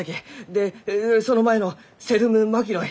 でその前の「セドゥム・マキノイ」